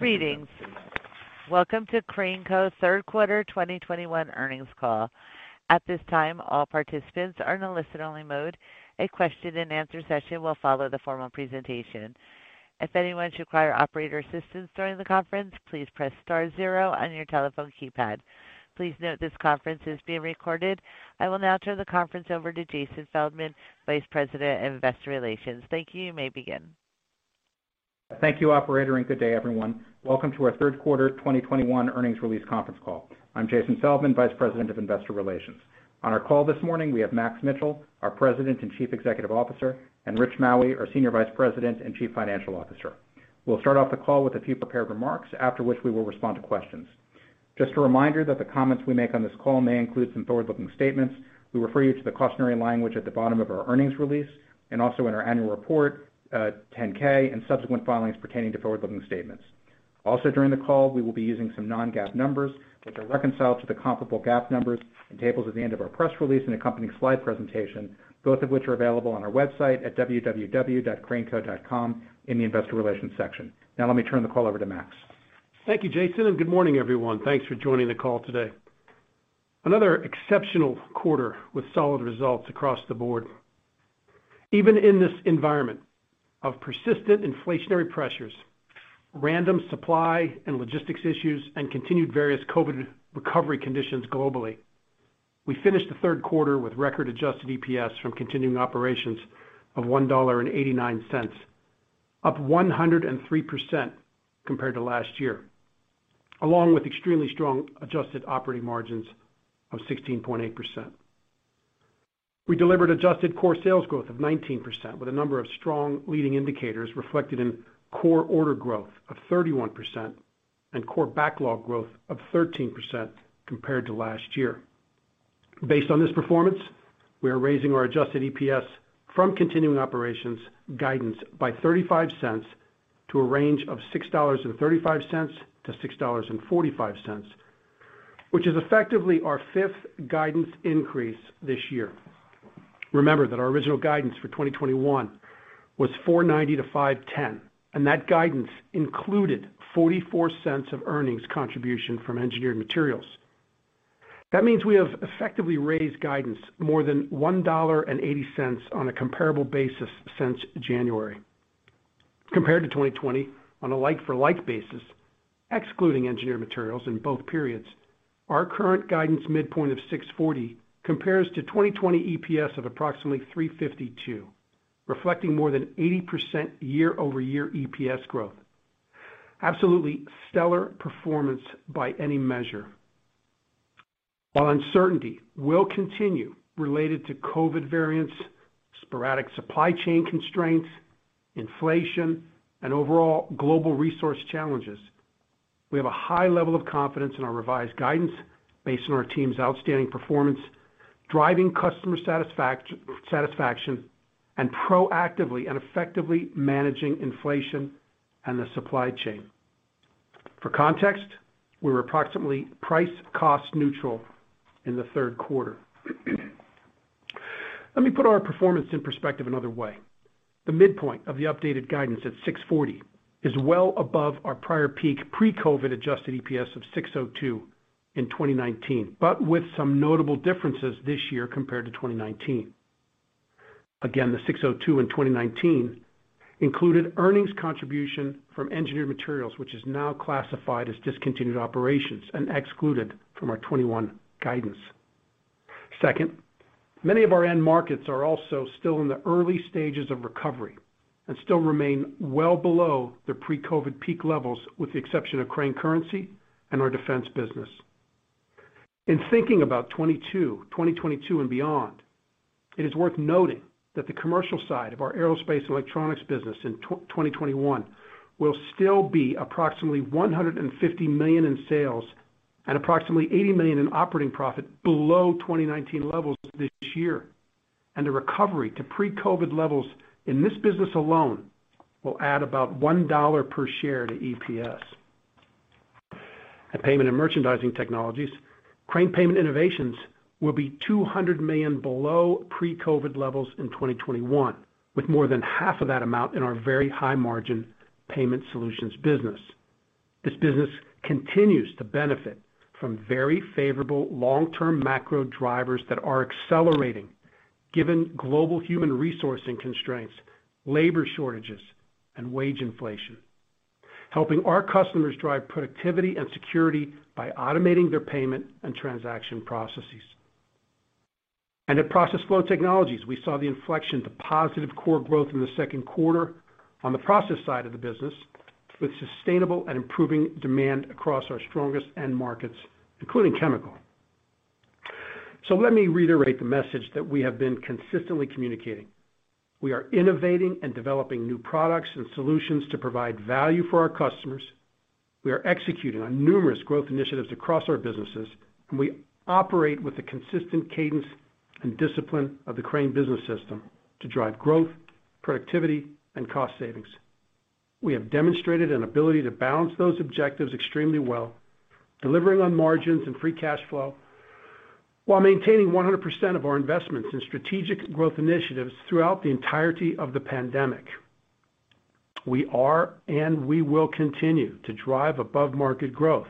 Greetings. Welcome to Crane Co Third Quarter 2021 Earnings Call. At this time, all participants are in a listen only mode. A question and answer session will follow the formal presentation. If anyone should require operator assistance during the conference, please press star zero on your telephone keypad. Please note this conference is being recorded. I will now turn the conference over to Jason Feldman, Vice President of Investor Relations. Thank you, you may begin. Thank you, operator, and good day, everyone. Welcome to our third quarter 2021 earnings release conference call. I'm Jason Feldman, Vice President of Investor Relations. On our call this morning, we have Max Mitchell, our President and Chief Executive Officer, and Rich Maue, our Senior Vice President and Chief Financial Officer. We'll start off the call with a few prepared remarks, after which we will respond to questions. Just a reminder that the comments we make on this call may include some forward-looking statements. We refer you to the cautionary language at the bottom of our earnings release and also in our annual report, 10-K, and subsequent filings pertaining to forward-looking statements. During the call, we will be using some non-GAAP numbers which are reconciled to the comparable GAAP numbers and tables at the end of our press release and accompanying slide presentation, both of which are available on our website at www.craneco.com in the investor relations section. Now, let me turn the call over to Max. Thank you, Jason, and good morning, everyone. Thanks for joining the call today. Another exceptional quarter with solid results across the board. Even in this environment of persistent inflationary pressures, random supply and logistics issues, and continued various COVID recovery conditions globally, we finished the third quarter with record adjusted EPS from continuing operations of $1.89, up 103% compared to last year, along with extremely strong adjusted operating margins of 16.8%. We delivered adjusted core sales growth of 19% with a number of strong leading indicators reflected in core order growth of 31% and core backlog growth of 13% compared to last year. Based on this performance, we are raising our adjusted EPS from continuing operations guidance by $0.35 to a range of $6.35-$6.45, which is effectively our fifth guidance increase this year. Remember that our original guidance for 2021 was $4.90-$5.10, and that guidance included $0.44 of earnings contribution from Engineered Materials. That means we have effectively raised guidance more than $1.80 on a comparable basis since January. Compared to 2020 on a like-for-like basis, excluding Engineered Materials in both periods, our current guidance midpoint of $6.40 compares to 2020 EPS of approximately $3.52, reflecting more than 80% year-over-year EPS growth. Absolutely stellar performance by any measure. While uncertainty will continue related to COVID variants, sporadic supply chain constraints, inflation, and overall global resource challenges, we have a high level of confidence in our revised guidance based on our team's outstanding performance, driving customer satisfaction, and proactively and effectively managing inflation and the supply chain. For context, we were approximately price cost neutral in the third quarter. Let me put our performance in perspective another way. The midpoint of the updated guidance at 640 is well above our prior peak pre-COVID adjusted EPS of 602 in 2019, but with some notable differences this year compared to 2019. Again, the 602 in 2019 included earnings contribution from Engineered Materials, which is now classified as discontinued operations and excluded from our 2021 guidance. Second, many of our end markets are also still in the early stages of recovery and still remain well below their pre-COVID peak levels, with the exception of Crane Currency and our defense business. In thinking about 2022 and beyond, it is worth noting that the commercial side of our Aerospace & Electronics business in 2021 will still be approximately $150 million in sales and approximately $80 million in operating profit below 2019 levels this year. The recovery to pre-COVID levels in this business alone will add about $1 per share to EPS. At Payment & Merchandising Technologies, Crane Payment Innovations will be $200 million below pre-COVID levels in 2021, with more than half of that amount in our very high-margin payment solutions business. This business continues to benefit from very favorable long-term macro drivers that are accelerating given global human resourcing constraints, labor shortages, and wage inflation, helping our customers drive productivity and security by automating their payment and transaction processes. At Process Flow Technologies, we saw the inflection to positive core growth in the second quarter on the process side of the business with sustainable and improving demand across our strongest end markets, including chemical. Let me reiterate the message that we have been consistently communicating. We are innovating and developing new products and solutions to provide value for our customers. We are executing on numerous growth initiatives across our businesses, and we operate with the consistent cadence and discipline of the Crane Business System to drive growth, productivity, and cost savings. We have demonstrated an ability to balance those objectives extremely well, delivering on margins and free cash flow. While maintaining 100% of our investments in strategic growth initiatives throughout the entirety of the pandemic, we are, and we will continue to drive above-market growth.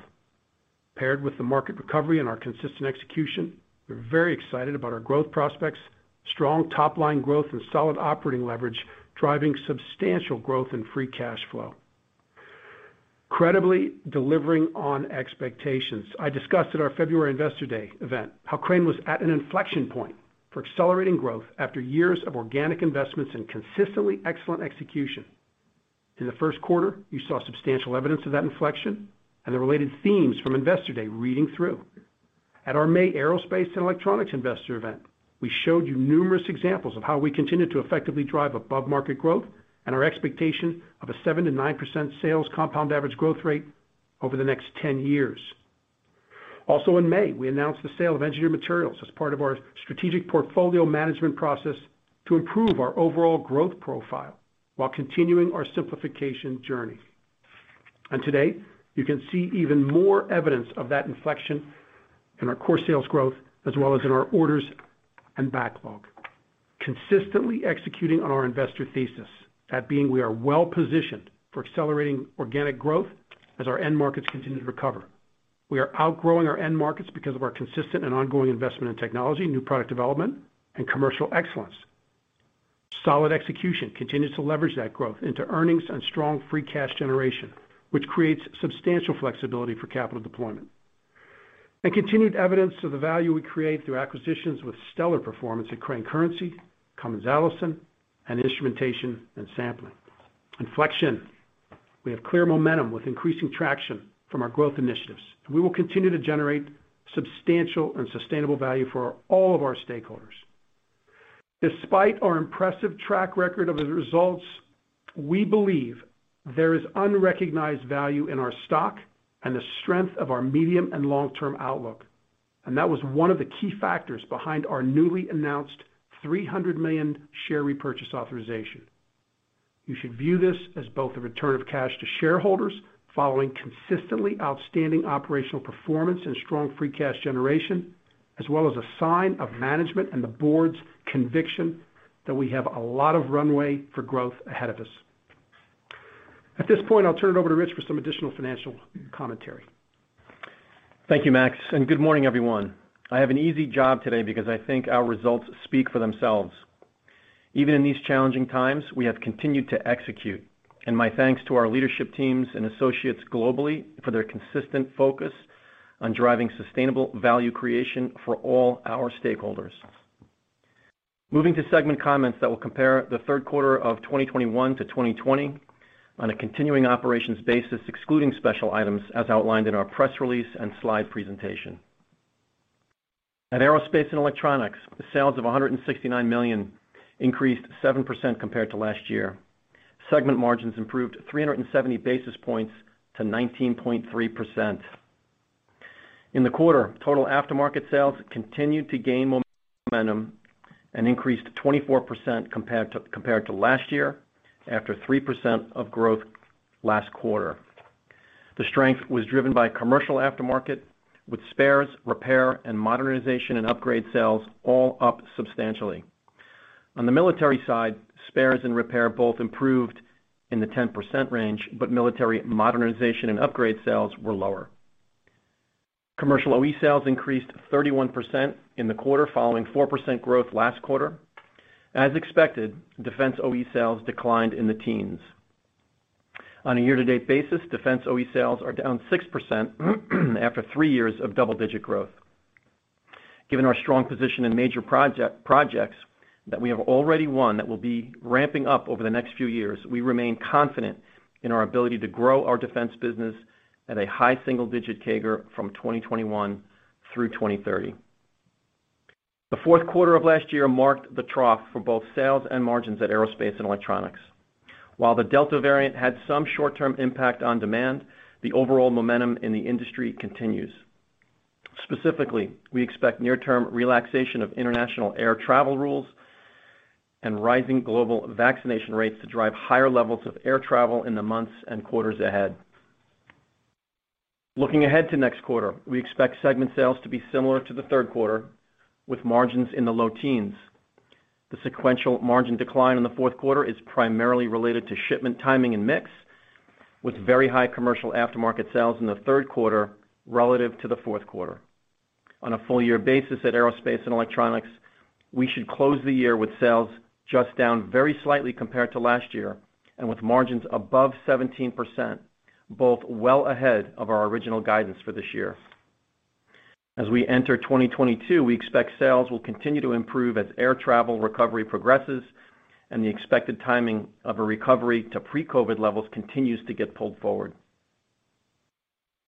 Paired with the market recovery and our consistent execution, we're very excited about our growth prospects, strong top-line growth, and solid operating leverage, driving substantial growth in free cash flow. Credibly delivering on expectations. I discussed at our February Investor Day event how Crane was at an inflection point for accelerating growth after years of organic investments and consistently excellent execution. In the first quarter, you saw substantial evidence of that inflection and the related themes from Investor Day reading through. At our May Aerospace & Electronics Investor event, we showed you numerous examples of how we continue to effectively drive above-market growth and our expectation of a 7%-9% sales compound average growth rate over the next 10 years. Also in May, we announced the sale of Engineered Materials as part of our strategic portfolio management process to improve our overall growth profile while continuing our simplification journey. Today, you can see even more evidence of that inflection in our core sales growth, as well as in our orders and backlog. Consistently executing on our investor thesis, that being we are well-positioned for accelerating organic growth as our end markets continue to recover. We are outgrowing our end markets because of our consistent and ongoing investment in technology, new product development, and commercial excellence. Solid execution continues to leverage that growth into earnings and strong free cash generation, which creates substantial flexibility for capital deployment. Continued evidence of the value we create through acquisitions with stellar performance at Crane Currency, Cummins Allison, and Instrumentation & Sampling. Inflection. We have clear momentum with increasing traction from our growth initiatives, and we will continue to generate substantial and sustainable value for all of our stakeholders. Despite our impressive track record of the results, we believe there is unrecognized value in our stock and the strength of our medium and long-term outlook, and that was one of the key factors behind our newly announced 300 million share repurchase authorization. You should view this as both a return of cash to shareholders following consistently outstanding operational performance and strong free cash generation, as well as a sign of management and the board's conviction that we have a lot of runway for growth ahead of us. At this point, I'll turn it over to Rich for some additional financial commentary. Thank you, Max and good morning, everyone. I have an easy job today because I think our results speak for themselves. Even in these challenging times, we have continued to execute. My thanks to our leadership teams and associates globally for their consistent focus on driving sustainable value creation for all our stakeholders. Moving to segment comments that will compare the third quarter of 2021 to 2020 on a continuing operations basis, excluding special items as outlined in our press release and slide presentation. At Aerospace & Electronics, sales of $169 million increased 7% compared to last year. Segment margins improved 370 basis points to 19.3%. In the quarter, total aftermarket sales continued to gain momentum and increased 24% compared to last year after 3% of growth last quarter. The strength was driven by commercial aftermarket with spares, repair, and modernization and upgrade sales all up substantially. On the military side, spares and repair both improved in the 10% range, but military modernization and upgrade sales were lower. Commercial OE sales increased 31% in the quarter following 4% growth last quarter. As expected, defense OE sales declined in the teens. On a year-to-date basis, defense OE sales are down 6% after three years of double-digit growth. Given our strong position in major projects that we have already won that will be ramping up over the next few years, we remain confident in our ability to grow our defense business at a high single-digit CAGR from 2021 through 2030. The fourth quarter of last year marked the trough for both sales and margins at Aerospace & Electronics. While the Delta variant had some short-term impact on demand, the overall momentum in the industry continues. Specifically, we expect near-term relaxation of international air travel rules and rising global vaccination rates to drive higher levels of air travel in the months and quarters ahead. Looking ahead to next quarter, we expect segment sales to be similar to the third quarter, with margins in the low teens. The sequential margin decline in the fourth quarter is primarily related to shipment timing and mix with very high commercial aftermarket sales in the third quarter relative to the fourth quarter. On a full year basis at Aerospace & Electronics, we should close the year with sales just down very slightly compared to last year and with margins above 17%, both well ahead of our original guidance for this year. As we enter 2022, we expect sales will continue to improve as air travel recovery progresses and the expected timing of a recovery to pre-COVID levels continues to get pulled forward.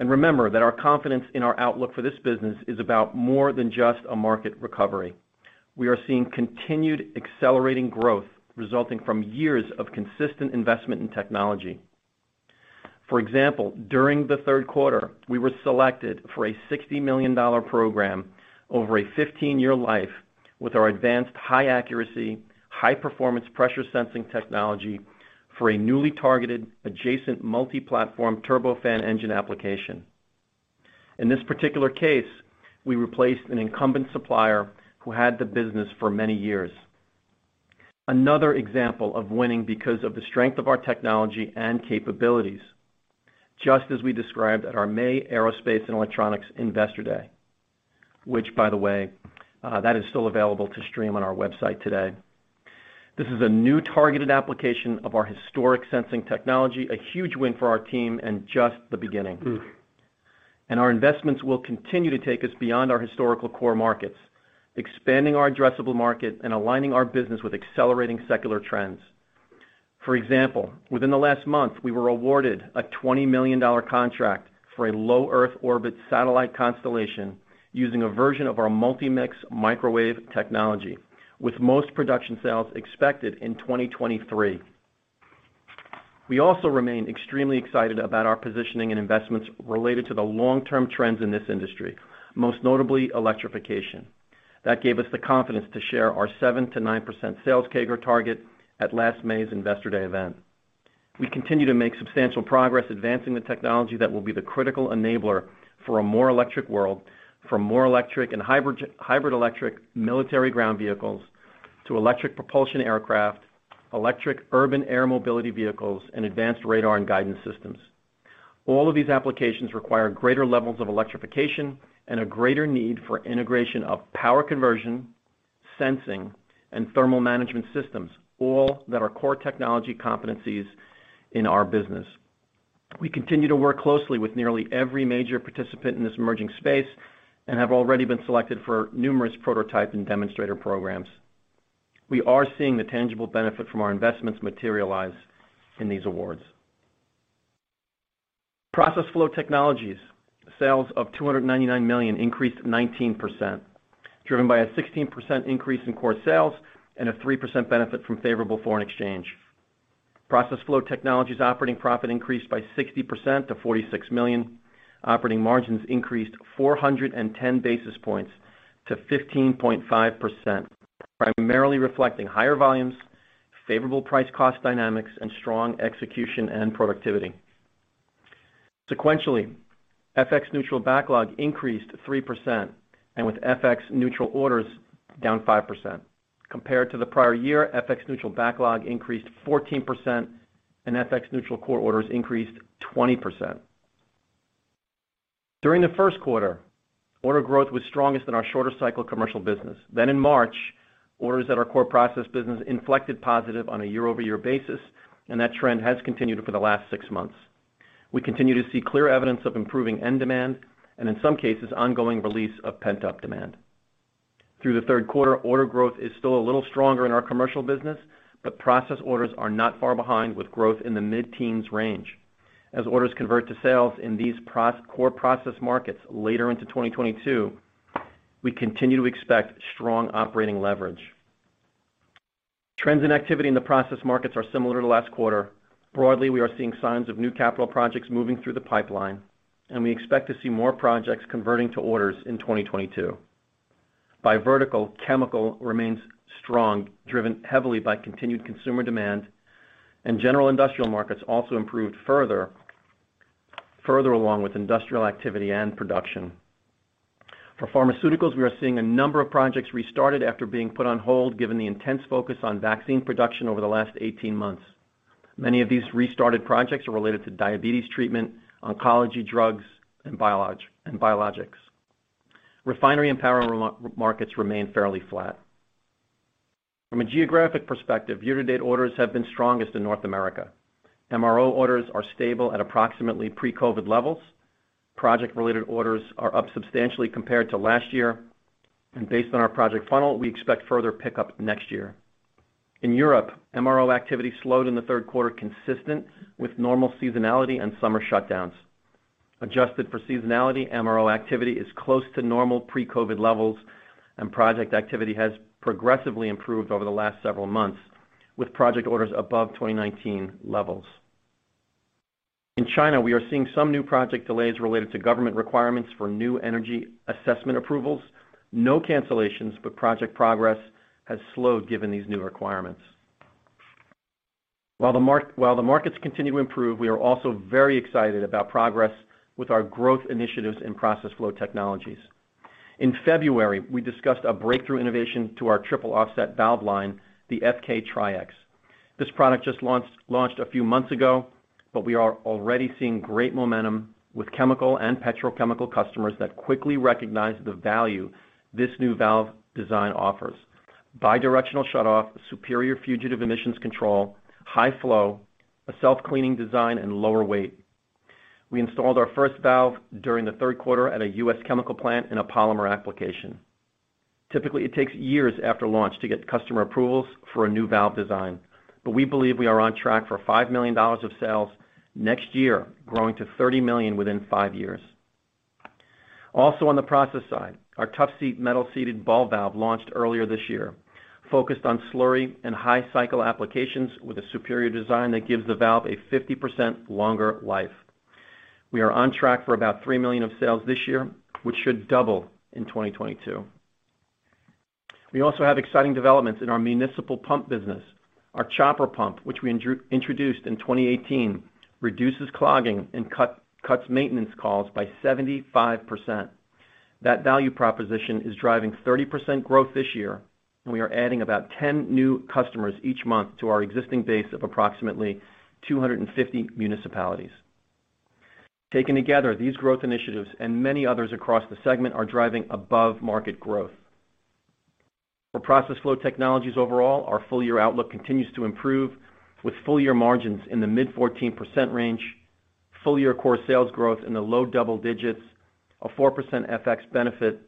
Remember that our confidence in our outlook for this business is about more than just a market recovery. We are seeing continued accelerating growth resulting from years of consistent investment in technology. For example, during the third quarter, we were selected for a $60 million program over a 15-year life with our advanced high accuracy, high performance pressure sensing technology for a new targeted adjacent multi-platform turbofan engine application. In this particular case, we replaced an incumbent supplier who had the business for many years. Another example of winning because of the strength of our technology and capabilities, just as we described at our May Aerospace & Electronics Investor Day, which by the way, that is still available to stream on our website today. This is a new targeted application of our historic sensing technology, a huge win for our team and just the beginning. Our investments will continue to take us beyond our historical core markets, expanding our addressable market and aligning our business with accelerating secular trends. For example, within the last month, we were awarded a $20 million contract for a low Earth orbit satellite constellation using a version of our multi-mix microwave technology, with most production sales expected in 2023. We also remain extremely excited about our positioning and investments related to the long-term trends in this industry, most notably electrification. That gave us the confidence to share our 7%-9% sales CAGR target at last May's Investor Day event. We continue to make substantial progress advancing the technology that will be the critical enabler for a more electric world, from more electric and hybrid electric military ground vehicles to electric propulsion aircraft, electric urban air mobility vehicles, and advanced radar and guidance systems. All of these applications require greater levels of electrification and a greater need for integration of power conversion, sensing, and thermal management systems, all that are core technology competencies in our business. We continue to work closely with nearly every major participant in this emerging space and have already been selected for numerous prototype and demonstrator programs. We are seeing the tangible benefit from our investments materialize in these awards. Process Flow Technologies. Sales of $299 million increased 19%, driven by a 16% increase in core sales and a 3% benefit from favorable foreign exchange. Process Flow Technologies operating profit increased by 60% to $46 million. Operating margins increased 410 basis points to 15.5%, primarily reflecting higher volumes, favorable price cost dynamics, and strong execution and productivity. Sequentially, FX neutral backlog increased 3% and FX neutral orders down 5%. Compared to the prior year, FX neutral backlog increased 14%, and FX neutral core orders increased 20%. During the first quarter, order growth was strongest in our shorter cycle commercial business. In March, orders at our core process business inflected positive on a year-over-year basis, and that trend has continued for the last six months. We continue to see clear evidence of improving end demand, and in some cases, ongoing release of pent-up demand. Through the third quarter, order growth is still a little stronger in our commercial business, but process orders are not far behind with growth in the mid-teens range. As orders convert to sales in these core process markets later into 2022, we continue to expect strong operating leverage. Trends and activity in the process markets are similar to last quarter. Broadly, we are seeing signs of new capital projects moving through the pipeline, and we expect to see more projects converting to orders in 2022. By vertical, chemical remains strong, driven heavily by continued consumer demand, and general industrial markets also improved further along with industrial activity and production. For pharmaceuticals, we are seeing a number of projects restarted after being put on hold, given the intense focus on vaccine production over the last 18 months. Many of these restarted projects are related to diabetes treatment, oncology drugs, and biologics. Refinery and power markets remain fairly flat. From a geographic perspective, year-to-date orders have been strongest in North America. MRO orders are stable at approximately pre-COVID levels. Project-related orders are up substantially compared to last year. Based on our project funnel, we expect further pickup next year. In Europe, MRO activity slowed in the third quarter, consistent with normal seasonality and summer shutdowns. Adjusted for seasonality, MRO activity is close to normal pre-COVID levels, and project activity has progressively improved over the last several months, with project orders above 2019 levels. In China, we are seeing some new project delays related to government requirements for new energy assessment approvals. No cancellations, but project progress has slowed given these new requirements. While the markets continue to improve, we are also very excited about progress with our growth initiatives in Process Flow Technologies. In February, we discussed a breakthrough innovation to our triple offset valve line, the FK-TrieX. This product just launched a few months ago, but we are already seeing great momentum with chemical and petrochemical customers that quickly recognize the value this new valve design offers. Bidirectional shutoff, superior fugitive emissions control, high flow, a self-cleaning design, and lower weight. We installed our first valve during the third quarter at a U.S. chemical plant in a polymer application. Typically, it takes years after launch to get customer approvals for a new valve design, but we believe we are on track for $5 million of sales next year, growing to $30 million within five years. Also on the process side, our Tough Seat metal seated ball valve launched earlier this year, focused on slurry and high cycle applications with a superior design that gives the valve a 50% longer life. We are on track for about $3 million of sales this year, which should double in 2022. We also have exciting developments in our municipal pump business. Our chopper pump, which we introduced in 2018, reduces clogging and cuts maintenance calls by 75%. That value proposition is driving 30% growth this year, and we are adding about 10 new customers each month to our existing base of approximately 250 municipalities. Taken together, these growth initiatives and many others across the segment are driving above-market growth. For Process Flow Technologies overall, our full year outlook continues to improve, with full year margins in the mid-14% range, full year core sales growth in the low double digits, a 4% FX benefit,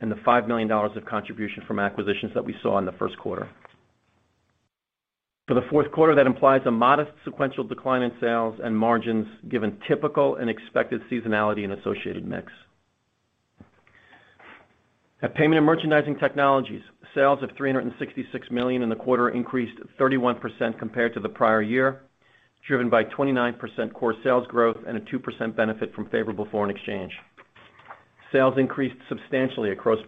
and the $5 million of contribution from acquisitions that we saw in the first quarter. For the fourth quarter, that implies a modest sequential decline in sales and margins, given typical and expected seasonality and associated mix. At Payment and Merchandising Technologies, sales of $366 million in the quarter increased 31% compared to the prior year, driven by 29% core sales growth and a 2% benefit from favorable foreign exchange. Sales increased substantially across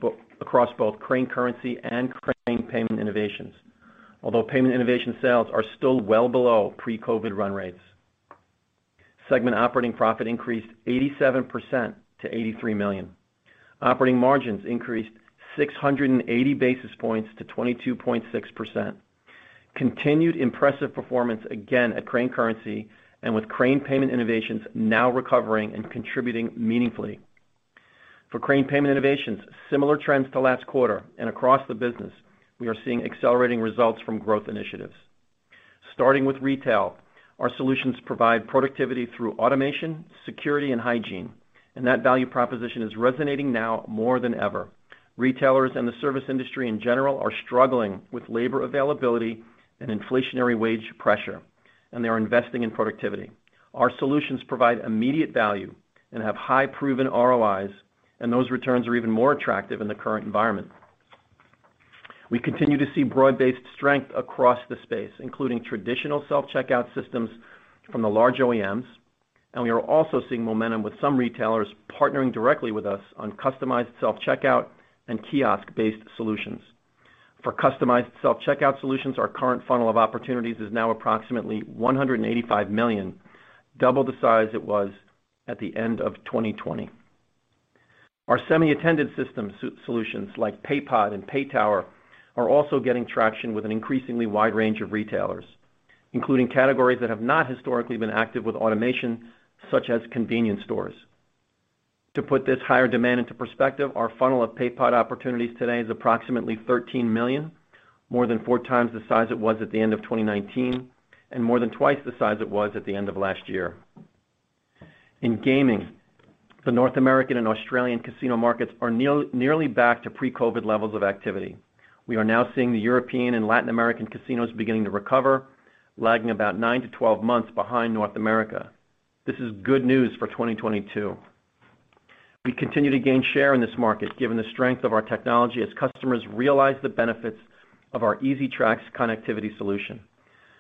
across both Crane Currency and Crane Payment Innovations, although Crane Payment Innovations sales are still well below pre-COVID run rates. Segment operating profit increased 87% to $83 million. Operating margins increased 680 basis points to 22.6%. Continued impressive performance again at Crane Currency and with Crane Payment Innovations now recovering and contributing meaningfully. For Crane Payment Innovations, similar trends to last quarter and across the business, we are seeing accelerating results from growth initiatives. Starting with retail, our solutions provide productivity through automation, security and hygiene, and that value proposition is resonating now more than ever. Retailers and the service industry in general are struggling with labor availability and inflationary wage pressure, and they are investing in productivity. Our solutions provide immediate value and have high proven ROIs, and those returns are even more attractive in the current environment. We continue to see broad-based strength across the space, including traditional self-checkout systems from the large OEMs and we are also seeing momentum with some retailers partnering directly with us on customized self-checkout and kiosk-based solutions. For customized self-checkout solutions, our current funnel of opportunities is now approximately $185 million, double the size it was at the end of 2020. Our semi-attended system solutions, like PayPod and PayTower, are also getting traction with an increasingly wide range of retailers, including categories that have not historically been active with automation, such as convenience stores. To put this higher demand into perspective, our funnel of PayPod opportunities today is approximately $13 million, more than 4x the size it was at the end of 2019, and more than twice the size it was at the end of last year. In gaming, the North American and Australian casino markets are nearly back to pre-COVID levels of activity. We are now seeing the European and Latin American casinos beginning to recover, lagging about nine-12 months behind North America. This is good news for 2022. We continue to gain share in this market given the strength of our technology as customers realize the benefits of our EasyTrax connectivity solution.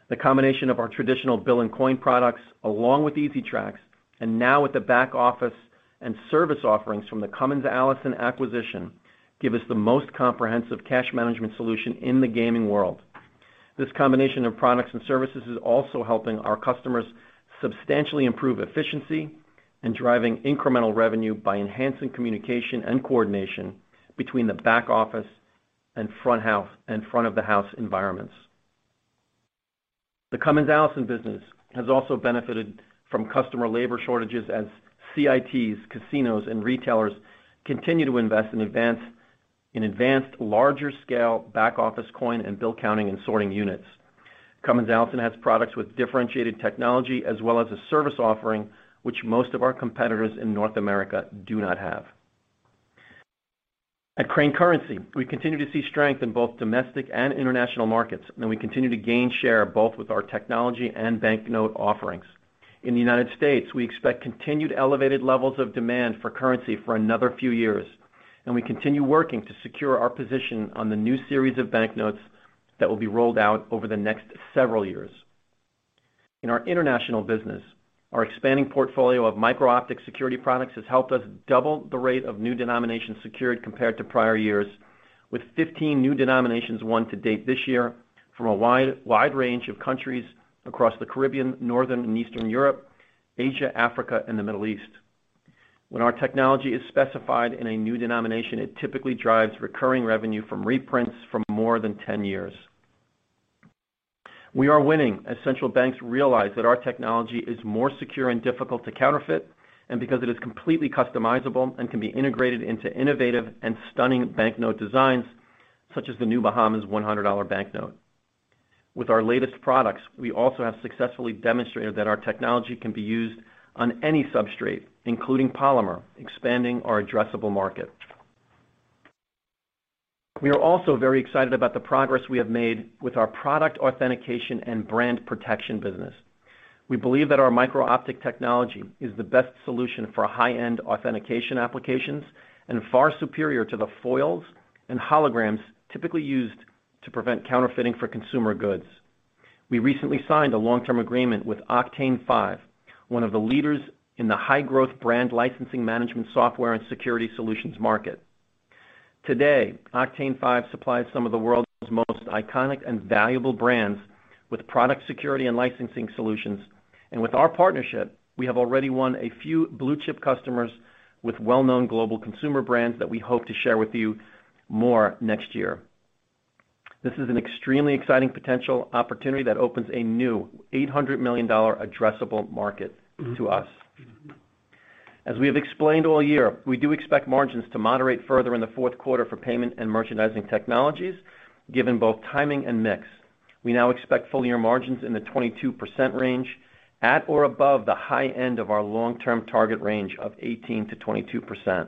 The combination of our traditional bill and coin products, along with EasyTrax, and now with the back-office and service offerings from the Cummins Allison acquisition, give us the most comprehensive cash management solution in the gaming world. This combination of products and services is also helping our customers substantially improve efficiency and driving incremental revenue by enhancing communication and coordination between the back-office and front of the house environments. The Cummins Allison business has also benefited from customer labor shortages as CITs, casinos and retailers continue to invest in advanced larger scale back-office coin and bill counting and sorting units. Cummins Allison has products with differentiated technology as well as a service offering which most of our competitors in North America do not have. At Crane Currency, we continue to see strength in both domestic and international markets, and we continue to gain share both with our technology and banknote offerings. In the United States, we expect continued elevated levels of demand for currency for another few years, and we continue working to secure our position on the new series of banknotes that will be rolled out over the next several years. In our international business, our expanding portfolio of micro-optic security products has helped us double the rate of new denominations secured compared to prior years, with 15 new denominations won to date this year from a wide range of countries across the Caribbean, Northern and Eastern Europe, Asia, Africa, and the Middle East. When our technology is specified in a new denomination, it typically drives recurring revenue from reprints for more than 10 years. We are winning as central banks realize that our technology is more secure and difficult to counterfeit, and because it is completely customizable and can be integrated into innovative and stunning banknote designs, such as the new Bahamas $100 banknote. With our latest products, we also have successfully demonstrated that our technology can be used on any substrate, including polymer, expanding our addressable market. We are also very excited about the progress we have made with our product authentication and brand protection business. We believe that our micro-optic technology is the best solution for high-end authentication applications and far superior to the foils and holograms typically used to prevent counterfeiting for consumer goods. We recently signed a long-term agreement with Octane5, one of the leaders in the high growth brand licensing management software and security solutions market. Today, Octane5 supplies some of the world's most iconic and valuable brands with product security and licensing solutions. With our partnership, we have already won a few blue-chip customers with well-known global consumer brands that we hope to share with you more next year. This is an extremely exciting potential opportunity that opens a new $800 million addressable market to us. As we have explained all year, we do expect margins to moderate further in the fourth quarter for Payment & Merchandising Technologies, given both timing and mix. We now expect full year margins in the 22% range, at or above the high end of our long-term target range of 18%-22%.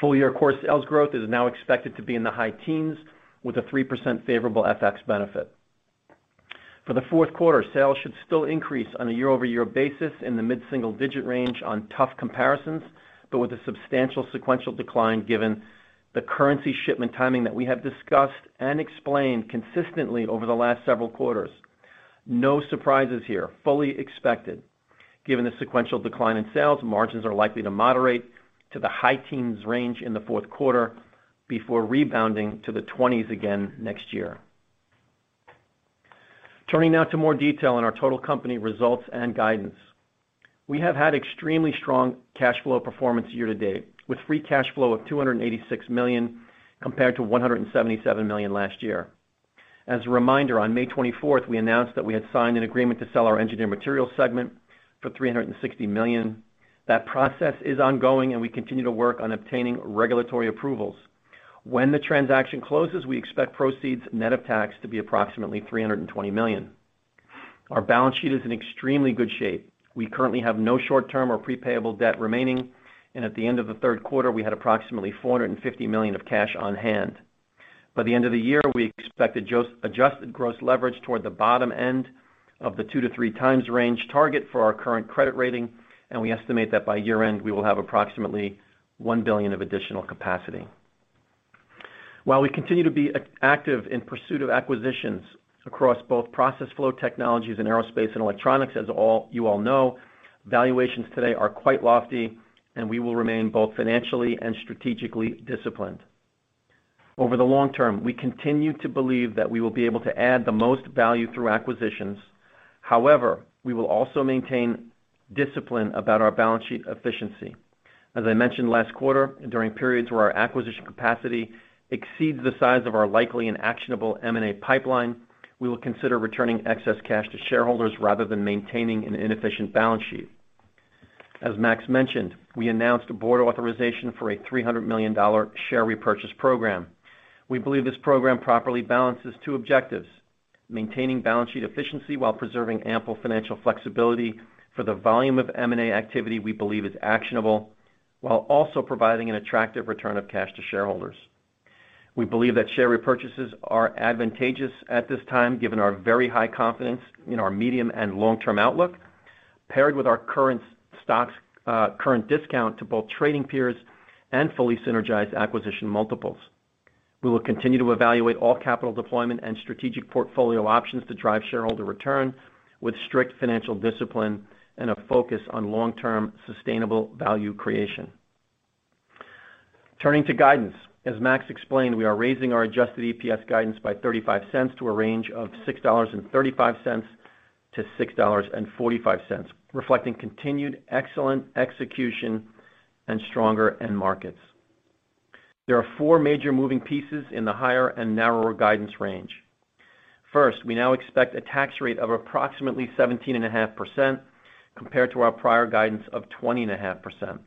Full year core sales growth is now expected to be in the high teens with a 3% favorable FX benefit. For the fourth quarter, sales should still increase on a year-over-year basis in the mid-single digit range on tough comparisons, but with a substantial sequential decline given the currency shipment timing that we have discussed and explained consistently over the last several quarters. No surprises here. Fully expected. Given the sequential decline in sales, margins are likely to moderate to the high teens range in the fourth quarter before rebounding to the 20s again next year. Turning now to more detail on our total company results and guidance. We have had extremely strong cash flow performance year-to-date, with free cash flow of $286 million compared to $177 million last year. As a reminder, on May 24, we announced that we had signed an agreement to sell our Engineered Materials segment for $360 million. That process is ongoing, and we continue to work on obtaining regulatory approvals. When the transaction closes, we expect proceeds net of tax to be approximately $320 million. Our balance sheet is in extremely good shape. We currently have no short-term or payable debt remaining, and at the end of the third quarter, we had approximately $450 million of cash on hand. By the end of the year, we expect adjusted gross leverage toward the bottom end of the 2x-3x range target for our current credit rating, and we estimate that by year-end, we will have approximately $1 billion of additional capacity. While we continue to be active in pursuit of acquisitions across both Process Flow Technologies and Aerospace & Electronics, as you all know, valuations today are quite lofty, and we will remain both financially and strategically disciplined. Over the long term, we continue to believe that we will be able to add the most value through acquisitions. However, we will also maintain discipline about our balance sheet efficiency. As I mentioned last quarter, during periods where our acquisition capacity exceeds the size of our likely and actionable M&A pipeline, we will consider returning excess cash to shareholders rather than maintaining an inefficient balance sheet. As Max mentioned, we announced a Board authorization for a $300 million share repurchase program. We believe this program properly balances two objectives, maintaining balance sheet efficiency while preserving ample financial flexibility for the volume of M&A activity we believe is actionable, while also providing an attractive return of cash to shareholders. We believe that share repurchases are advantageous at this time, given our very high confidence in our medium and long-term outlook, paired with our current stock, current discount to both trading peers and fully synergized acquisition multiples. We will continue to evaluate all capital deployment and strategic portfolio options to drive shareholder return with strict financial discipline and a focus on long-term sustainable value creation. Turning to guidance. As Max explained, we are raising our adjusted EPS guidance by $0.35 to a range of $6.35-$6.45, reflecting continued excellent execution and stronger end markets. There are four major moving pieces in the higher and narrower guidance range. First, we now expect a tax rate of approximately 17.5% compared to our prior guidance of 20.5%.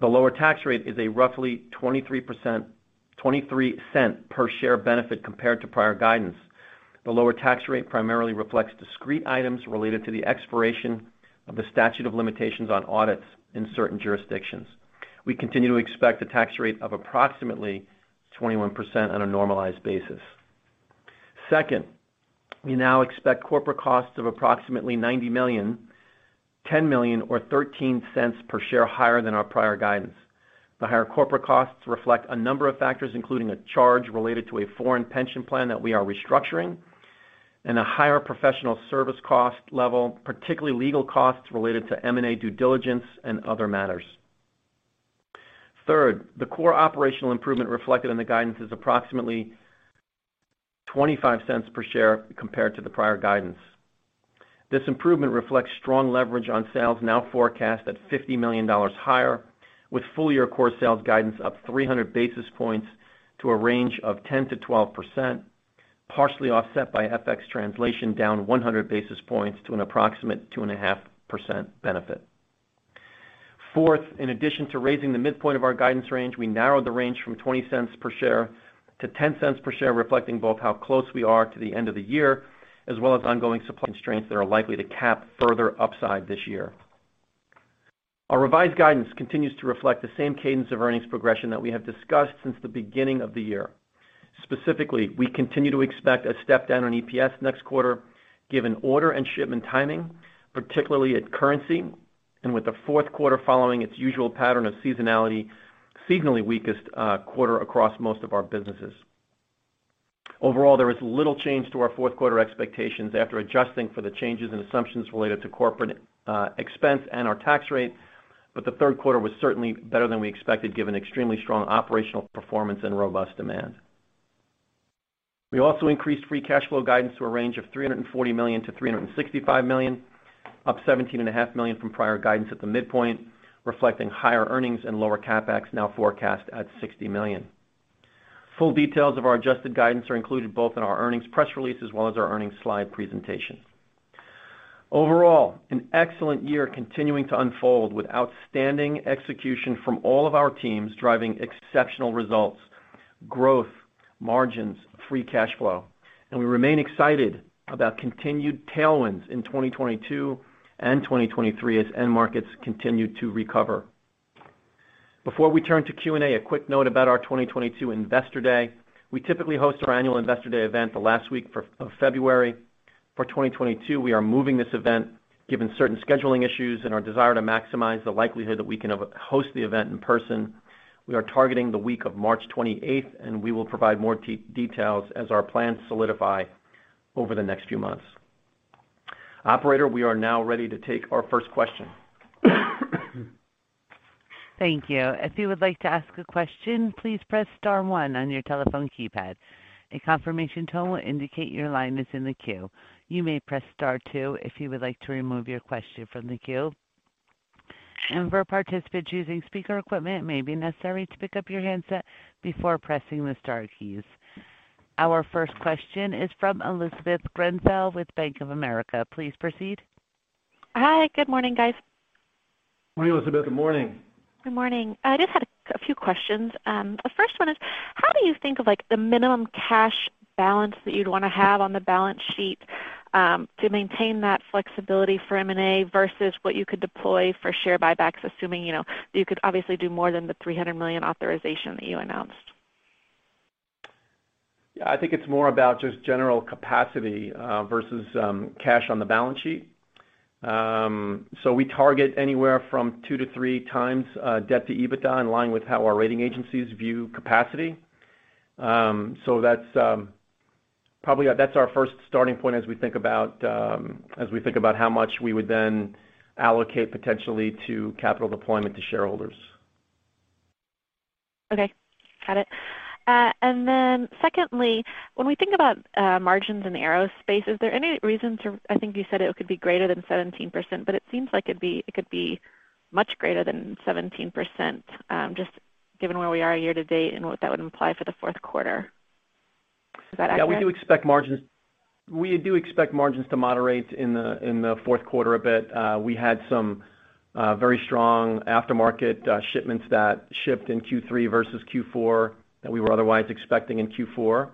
The lower tax rate is a roughly $0.23 per share benefit compared to prior guidance. The lower tax rate primarily reflects discrete items related to the expiration of the statute of limitations on audits in certain jurisdictions. We continue to expect a tax rate of approximately 21% on a normalized basis. Second, we now expect corporate costs of approximately $90 million, $10 million or $0.13 per share higher than our prior guidance. The higher corporate costs reflect a number of factors, including a charge related to a foreign pension plan that we are restructuring and a higher professional service cost level, particularly legal costs related to M&A due diligence and other matters. Third, the core operational improvement reflected in the guidance is approximately $0.25 per share compared to the prior guidance. This improvement reflects strong leverage on sales now forecast at $50 million higher, with full year core sales guidance up 300 basis points to a range of 10%-12%, partially offset by FX translation down 100 basis points to an approximate 2.5% benefit. Fourth, in addition to raising the midpoint of our guidance range, we narrowed the range from $0.20 per share to $0.10 per share, reflecting both how close we are to the end of the year, as well as ongoing supply constraints that are likely to cap further upside this year. Our revised guidance continues to reflect the same cadence of earnings progression that we have discussed since the beginning of the year. Specifically, we continue to expect a step down in EPS next quarter, given order and shipment timing, particularly at Crane Currency, and with the fourth quarter following its usual pattern of seasonality, seasonally weakest quarter across most of our businesses. Overall, there is little change to our fourth quarter expectations after adjusting for the changes in assumptions related to corporate expense and our tax rate. The third quarter was certainly better than we expected, given extremely strong operational performance and robust demand. We also increased free cash flow guidance to a range of $340 million-$365 million, up $17 and a half million from prior guidance at the midpoint, reflecting higher earnings and lower CapEx, now forecast at $60 million. Full details of our adjusted guidance are included both in our earnings press release as well as our earnings slide presentation. Overall, an excellent year continuing to unfold with outstanding execution from all of our teams, driving exceptional results, growth, margins, free cash flow, and we remain excited about continued tailwinds in 2022 and 2023 as end markets continue to recover. Before we turn to Q&A, a quick note about our 2022 Investor Day. We typically host our annual Investor Day event the last week of February. For 2022, we are moving this event, given certain scheduling issues and our desire to maximize the likelihood that we can host the event in person. We are targeting the week of March 28, and we will provide more details as our plans solidify over the next few months. Operator, we are now ready to take our first question. Thank you. If you would like to ask a question, please press star one on your telephone keypad. A confirmation tone will indicate your line is in the queue. You may press star two if you would like to remove your question from the queue. For participants using speaker equipment, it may be necessary to pick up your handset before pressing the star keys. Our first question is from Elizabeth Grenfell with Bank of America. Please proceed. Hi. Good morning, guys. Elizabeth, good morning. Good morning. I just had a few questions. The first one is, how do you think of, like, the minimum cash balance that you'd wanna have on the balance sheet, to maintain that flexibility for M&A versus what you could deploy for share buybacks, assuming, you know, you could obviously do more than the $300 million authorization that you announced? Yeah, I think it's more about just general capacity versus cash on the balance sheet. We target anywhere from 2x-3x times debt to EBITDA in line with how our rating agencies view capacity. That's our first starting point as we think about how much we would then allocate potentially to capital deployment to shareholders. Okay. Got it. When we think about margins in the Aerospace, I think you said it could be greater than 17%, but it seems like it could be much greater than 17%, just given where we are year to date and what that would imply for the fourth quarter. Is that accurate? Yeah, we do expect margins to moderate in the fourth quarter a bit. We had some very strong aftermarket shipments that shipped in Q3 versus Q4 that we were otherwise expecting in Q4.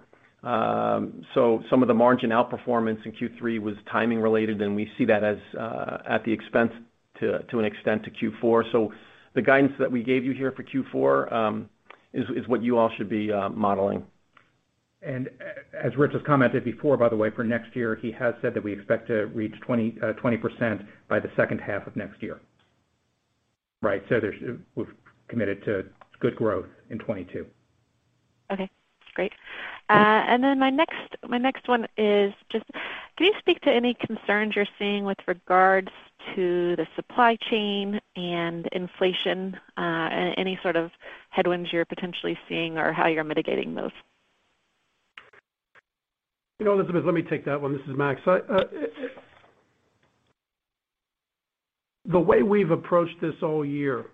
Some of the margin outperformance in Q3 was timing related and we see that as at the expense, to an extent, to Q4. The guidance that we gave you here for Q4 is what you all should be modeling. Rich has commented before, by the way, for next year, he has said that we expect to reach 20% by the second half of next year. Right. We've committed to good growth in 2022. Okay. Great. My next one is just, can you speak to any concerns you're seeing with regards to the supply chain and inflation, and any sort of headwinds you're potentially seeing or how you're mitigating those? You know, Elizabeth, let me take that one. This is Max. The way we've approached this all year,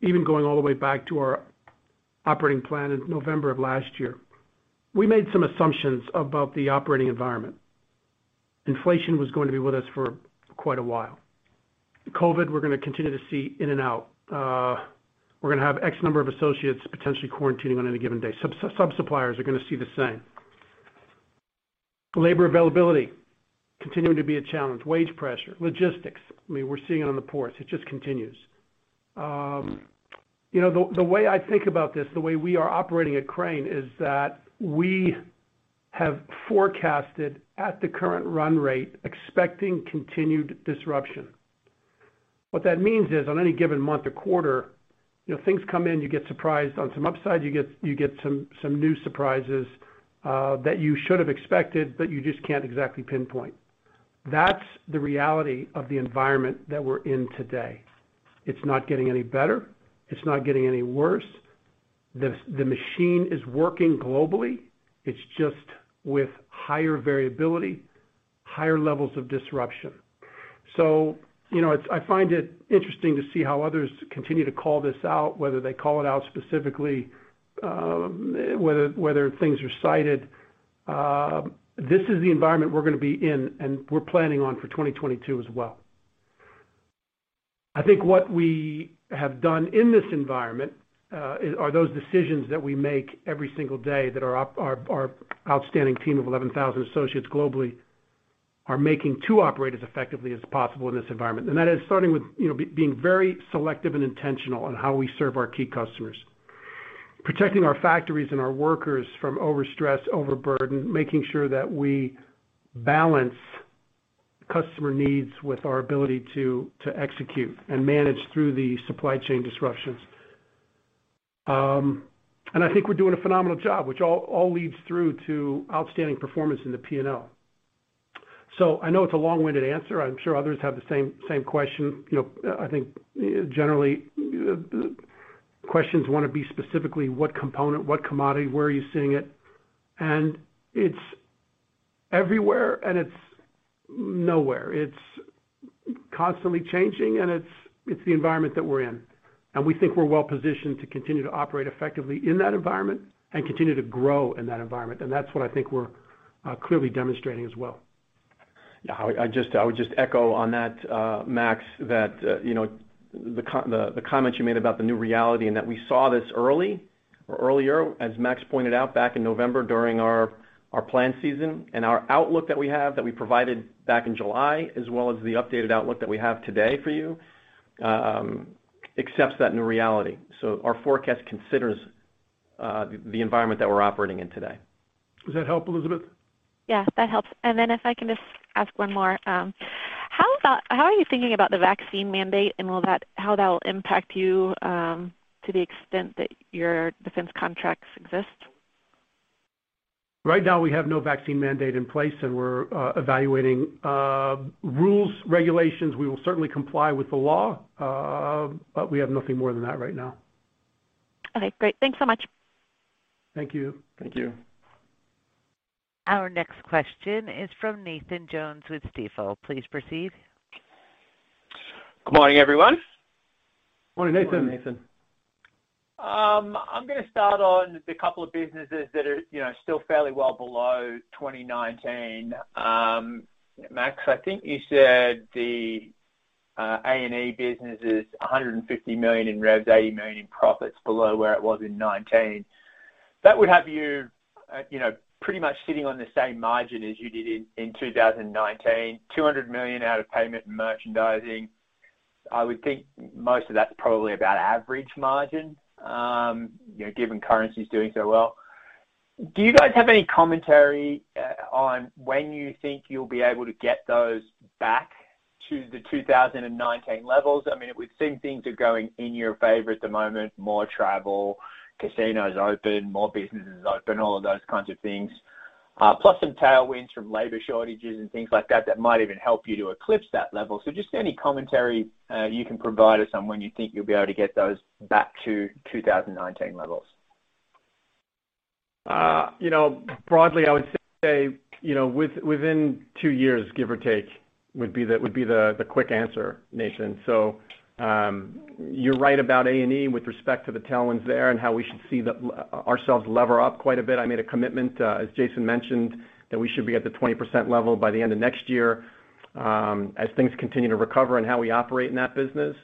even going all the way back to our operating plan in November of last year, we made some assumptions about the operating environment. Inflation was going to be with us for quite a while. COVID, we're gonna continue to see in and out. We're gonna have X number of associates potentially quarantining on any given day. Sub-suppliers are gonna see the same. Labor availability continuing to be a challenge. Wage pressure, logistics. I mean, we're seeing it on the ports. It just continues. You know, the way I think about this, the way we are operating at Crane is that we have forecasted at the current run rate, expecting continued disruption. What that means is, on any given month or quarter, you know, things come in, you get surprised. On some upside, you get some new surprises that you should have expected, but you just can't exactly pinpoint. That's the reality of the environment that we're in today. It's not getting any better. It's not getting any worse. The machine is working globally. It's just with higher variability, higher levels of disruption. You know, I find it interesting to see how others continue to call this out, whether they call it out specifically, whether things are cited. This is the environment we're gonna be in, and we're planning on for 2022 as well. I think what we have done in this environment are those decisions that we make every single day that our outstanding team of 11,000 associates globally are making to operate as effectively as possible in this environment. That is starting with, you know, being very selective and intentional on how we serve our key customers. Protecting our factories and our workers from overstress, overburden, making sure that we balance customer needs with our ability to execute and manage through the supply chain disruptions. I think we're doing a phenomenal job, which all leads through to outstanding performance in the P&L. I know it's a long-winded answer. I'm sure others have the same question. You know, I think, generally, the questions wanna be specifically what component, what commodity, where are you seeing it? It's everywhere, and it's nowhere. It's constantly changing, and it's the environment that we're in. We think we're well-positioned to continue to operate effectively in that environment and continue to grow in that environment. That's what I think we're clearly demonstrating as well. Yeah. I would just echo on that, Max, that, you know, the comment you made about the new reality and that we saw this early or earlier, as Max pointed out back in November during our plan season and our outlook that we have, that we provided back in July, as well as the updated outlook that we have today for you, accepts that new reality. Our forecast considers the environment that we're operating in today. Does that help, Elizabeth? Yeah, that helps. If I can just ask one more, how are you thinking about the vaccine mandate and how that will impact you, to the extent that your defense contracts exist? Right now, we have no vaccine mandate in place, and we're evaluating rules, regulations. We will certainly comply with the law, but we have nothing more than that right now. Okay, great. Thanks so much. Thank you. Thank you. Our next question is from Nathan Jones with Stifel. Please proceed. Good morning, everyone. Morning, Nathan. Morning, Nathan. I'm gonna start on the couple of businesses that are, you know, still fairly well below 2019. Max, I think you said the A&E business is $150 million in revs, $80 million in profits below where it was in 2019. That would have you know, pretty much sitting on the same margin as you did in 2019, $200 million out of payment and merchandising. I would think most of that's probably about average margin, you know, given currency's doing so well. Do you guys have any commentary on when you think you'll be able to get those back to the 2019 levels? I mean, it would seem things are going in your favor at the moment, more travel, casinos open, more businesses open, all of those kinds of things, plus some tailwinds from labor shortages and things like that that might even help you to eclipse that level. Just any commentary you can provide us on when you think you'll be able to get those back to 2019 levels? You know, broadly, I would say, you know, within two years, give or take, would be the quick answer, Nathan. You're right about A&E with respect to the tailwinds there and how we should see ourselves lever up quite a bit. I made a commitment, as Jason mentioned, that we should be at the 20% level by the end of next year. As things continue to recover and how we operate in that business,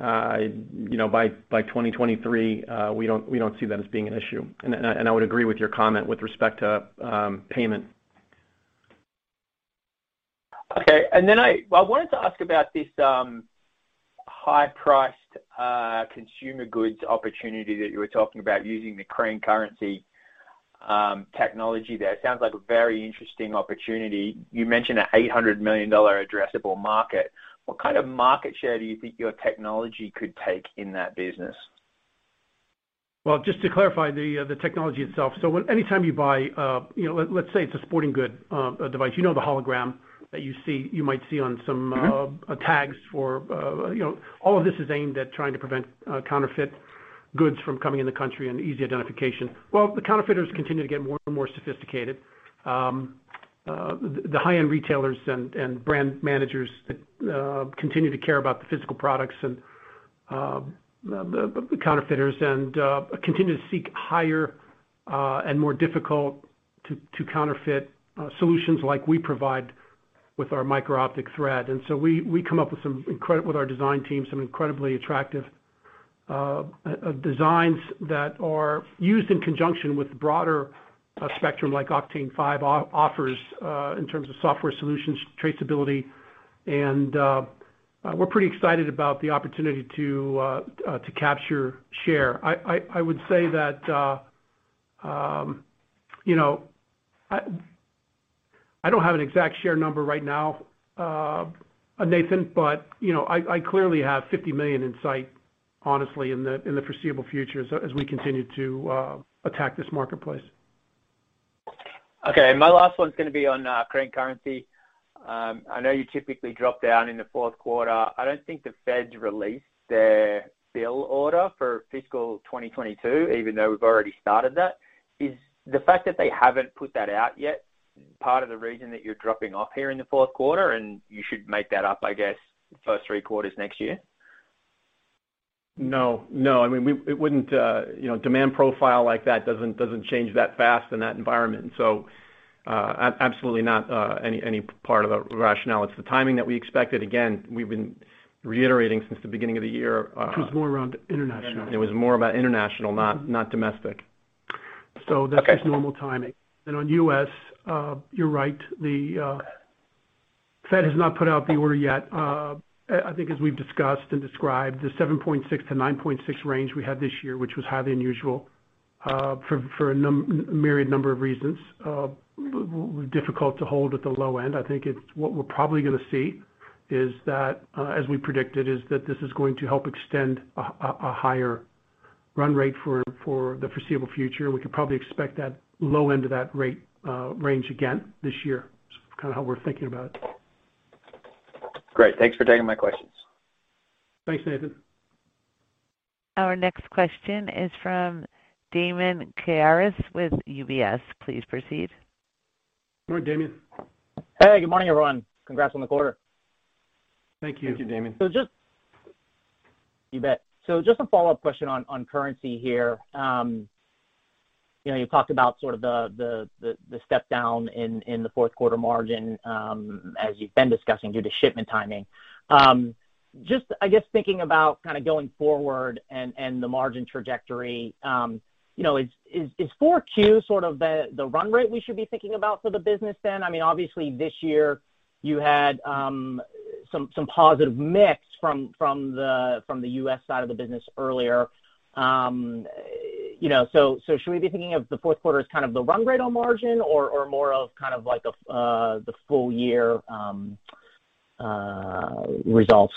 you know, by 2023, we don't see that as being an issue. I would agree with your comment with respect to payment. Okay. I wanted to ask about this high-priced consumer goods opportunity that you were talking about using the Crane Currency technology there. It sounds like a very interesting opportunity. You mentioned an $800 million addressable market. What kind of market share do you think your technology could take in that business? Well, just to clarify the technology itself. When anytime you buy, you know, let's say it's a sporting good, device. You know the hologram that you see, you might see on some- Mm-hmm Tags for, you know. All of this is aimed at trying to prevent counterfeit goods from coming in the country and easy identification. Well, the counterfeiters continue to get more and more sophisticated. The high-end retailers and brand managers continue to care about the physical products and the counterfeiters and continue to seek higher and more difficult to counterfeit solutions like we provide with our micro-optic thread. We come up with our design team, some incredibly attractive designs that are used in conjunction with broader spectrum like Octane5 offers in terms of software solutions, traceability, and we're pretty excited about the opportunity to capture share. I would say that, you know. I don't have an exact share number right now, Nathan, but you know, I clearly have $50 million in sight, honestly, in the foreseeable future as we continue to attack this marketplace. Okay. My last one's gonna be on Crane Currency. I know you typically drop down in the fourth quarter. I don't think the Feds released their bill order for fiscal 2022, even though we've already started that. Is the fact that they haven't put that out yet part of the reason that you're dropping off here in the fourth quarter and you should make that up, I guess, first three quarters next year? No. I mean, it wouldn't, you know, demand profile like that doesn't change that fast in that environment. Absolutely not any part of the rationale. It's the timing that we expected. Again, we've been reiterating since the beginning of the year. It was more around international. It was more about international, not domestic. That's just normal timing. On U.S., you're right. The Fed has not put out the order yet. I think as we've discussed and described, the 7.6%-9.6% range we had this year, which was highly unusual, for a myriad number of reasons, were difficult to hold at the low end. I think what we're probably gonna see is that, as we predicted, this is going to help extend a higher run rate for the foreseeable future. We could probably expect that low end of that rate range again this year. It's kind of how we're thinking about it. Great. Thanks for taking my questions. Thanks, Nathan. Our next question is from Damian Karas with UBS. Please proceed. Good morning, Damian. Hey, good morning, everyone. Congrats on the quarter. Thank you. Thank you, Damian. You bet. Just a follow-up question on currency here. You know, you talked about sort of the step down in the fourth quarter margin, as you've been discussing due to shipment timing. Just, I guess, thinking about kind of going forward and the margin trajectory, you know, is Q4 sort of the run rate we should be thinking about for the business then? I mean, obviously, this year, you had some positive mix from the U.S. side of the business earlier. You know, so should we be thinking of the fourth quarter as kind of the run rate on margin or more of kind of like the full year results?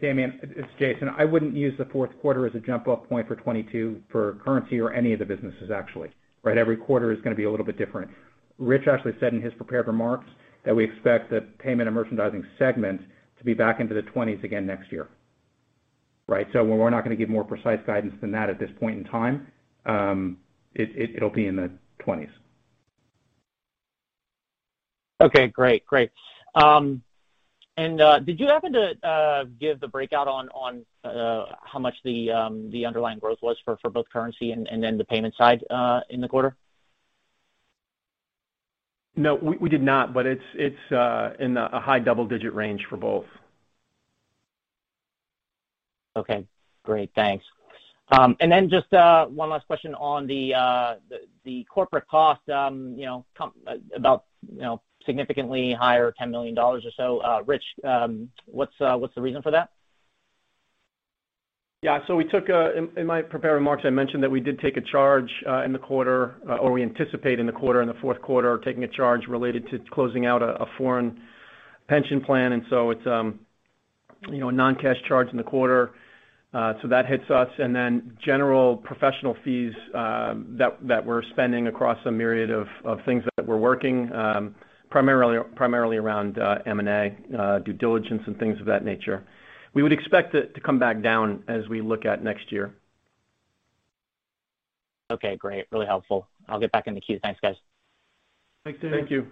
Damian, it's Jason. I wouldn't use the fourth quarter as a jump off point for 2022 for currency or any of the businesses actually, right? Every quarter is gonna be a little bit different. Rich actually said in his prepared remarks that we expect the payment and merchandising segment to be back into the 20s again next year, right? So while we're not gonna give more precise guidance than that at this point in time, it'll be in the 20s. Okay, great. Did you happen to give the breakout on how much the underlying growth was for both currency and then the payment side in the quarter? No, we did not, but it's in a high double-digit range for both. Okay, great. Thanks. Just one last question on the corporate cost, you know, about significantly higher $10 million or so. Rich, what's the reason for that? Yeah. In my prepared remarks, I mentioned that we did take a charge in the quarter or we anticipate in the fourth quarter taking a charge related to closing out a foreign pension plan. It's you know, a non-cash charge in the quarter, so that hits us. General professional fees that we're spending across a myriad of things that we're working primarily around M&A due diligence and things of that nature. We would expect it to come back down as we look at next year. Okay, great. Really helpful. I'll get back in the queue. Thanks, guys. Thanks, Damian. Thank you.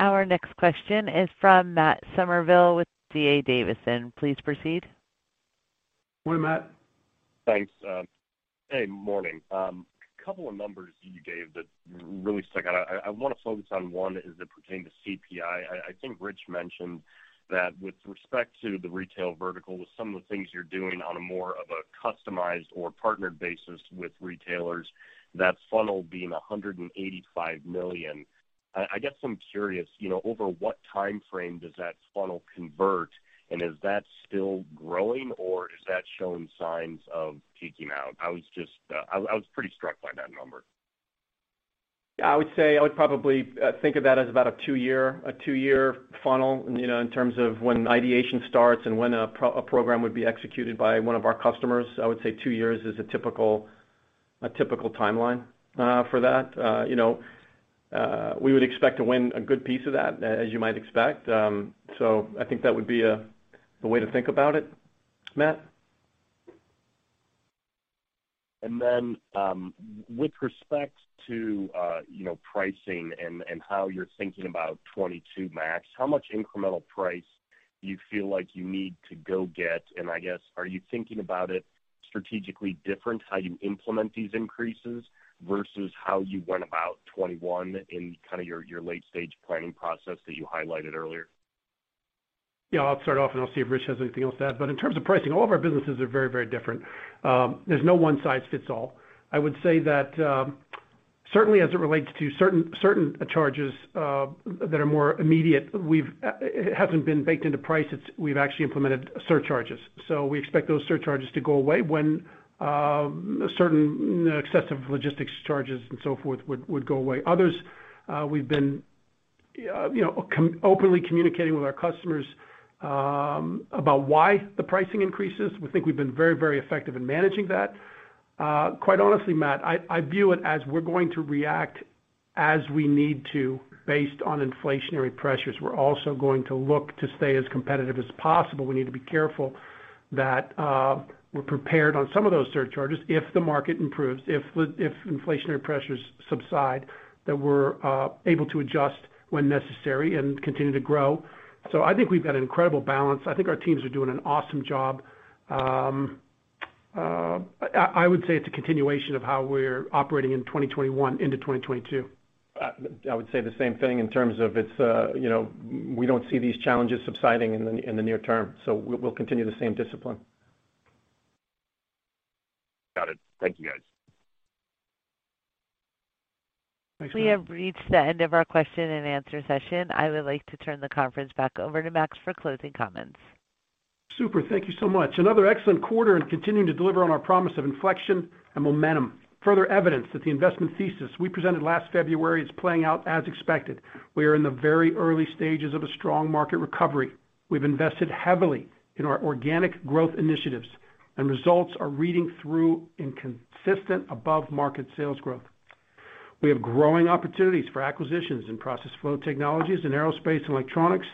Our next question is from Matt Summerville with D.A. Davidson. Please proceed. Good morning, Matt. Thanks. Good morning. A couple of numbers you gave that really stuck out. I wanna focus on one as it pertain to CPI. I think Rich mentioned that with respect to the retail vertical, with some of the things you're doing on a more of a customized or partnered basis with retailers, that funnel being $185 million. I guess I'm curious, you know, over what timeframe does that funnel convert, and is that still growing, or is that showing signs of peaking out? I was just pretty struck by that number. I would say I would probably think of that as about a two-year funnel, you know, in terms of when ideation starts and when a program would be executed by one of our customers. I would say two years is a typical timeline for that. You know, we would expect to win a good piece of that, as you might expect. I think that would be the way to think about it, Matt. With respect to, you know, pricing and how you're thinking about 2022, Max, how much incremental price do you feel like you need to go get? I guess, are you thinking about it strategically different, how you implement these increases versus how you went about 2021 in kind of your late-stage planning process that you highlighted earlier? Yeah. I'll start off, and I'll see if Rich has anything else to add. In terms of pricing, all of our businesses are very, very different. There's no one size fits all. I would say that, certainly as it relates to certain charges that are more immediate, it hasn't been baked into price. We've actually implemented surcharges. We expect those surcharges to go away when certain excessive logistics charges and so forth would go away. Others, we've been, you know, openly communicating with our customers about why the pricing increases. We think we've been very, very effective in managing that. Quite honestly, Matt, I view it as we're going to react as we need to based on inflationary pressures. We're also going to look to stay as competitive as possible. We need to be careful that we're prepared on some of those surcharges if the market improves, if inflationary pressures subside, that we're able to adjust when necessary and continue to grow. I think we've got an incredible balance. I think our teams are doing an awesome job. I would say it's a continuation of how we're operating in 2021 into 2022. I would say the same thing in terms of it's we don't see these challenges subsiding in the near term, so we'll continue the same discipline. Got it. Thank you, guys. Thanks. We have reached the end of our question and answer session. I would like to turn the conference back over to Max for closing comments. Super thank you so much. Another excellent quarter and continuing to deliver on our promise of inflection and momentum. Further evidence that the investment thesis we presented last February is playing out as expected. We are in the very early stages of a strong market recovery. We've invested heavily in our organic growth initiatives and results are reading through in consistent above-market sales growth. We have growing opportunities for acquisitions in Process Flow Technologies and Aerospace & Electronics,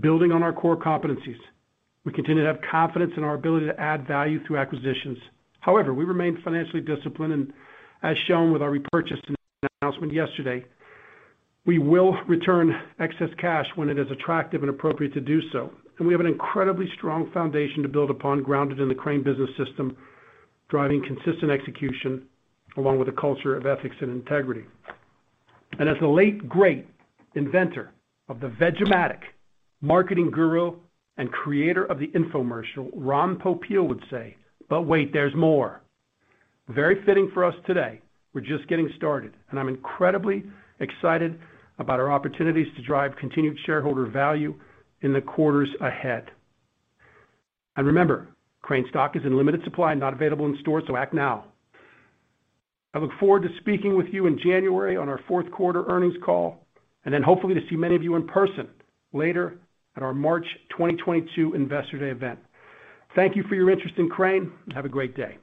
building on our core competencies. We continue to have confidence in our ability to add value through acquisitions. However, we remain financially disciplined, and as shown with our repurchase announcement yesterday, we will return excess cash when it is attractive and appropriate to do so. We have an incredibly strong foundation to build upon, grounded in the Crane Business System, driving consistent execution along with a culture of ethics and integrity. As the late great inventor of the Veg-O-Matic, marketing guru, and creator of the infomercial, Ron Popeil would say, "But wait, there's more." Very fitting for us today. We're just getting started, and I'm incredibly excited about our opportunities to drive continued shareholder value in the quarters ahead. Remember, Crane stock is in limited supply, not available in stores, so act now. I look forward to speaking with you in January on our fourth quarter earnings call, and then hopefully to see many of you in person later at our March 2022 Investor Day event. Thank you for your interest in Crane. Have a great day.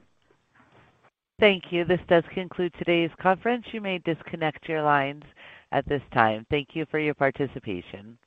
Thank you. This does conclude today's conference. You may disconnect your lines at this time. Thank you for your participation.